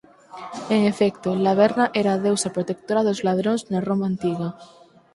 En efecto, Laverna era a deusa protectora dos ladróns na Roma antiga.